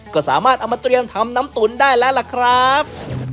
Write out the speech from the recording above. ก็สามารถเอามาเตรียมทำน้ำตุ๋นได้แล้วล่ะครับ